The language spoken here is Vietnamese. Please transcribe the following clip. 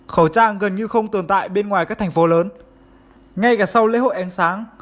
khẩu trang gần như không tồn tại bên ngoài các thành phố lớn ngay cả sau lễ hội ánh sáng